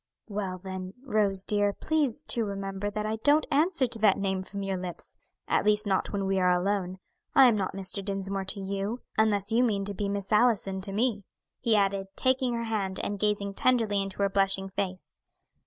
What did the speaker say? "Well then, Rose, dear, please to remember that I don't answer to that name from your lips, at least not when we are alone. I am not Mr. Dinsmore to you, unless you mean to be Miss Allison to me," he added, taking her hand and gazing tenderly into her blushing face.